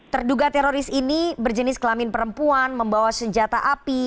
terduga teroris ini berjenis kelamin perempuan membawa senjata api